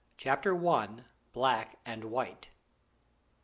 _ CHAPTER I. BLACK AND WHITE.